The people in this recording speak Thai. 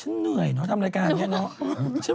ฉันเหนื่อยทำรายการนี้